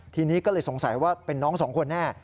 ทีนี้ก็เลยสงสัยว่าเป็นน้องสองคนแน่